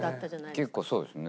結構そうですね。